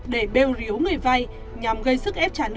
để bêu ríu